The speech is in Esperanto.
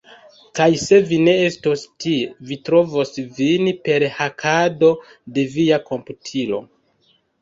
Kaj se vi ne estos tie mi trovos vin per hakado de via komputilo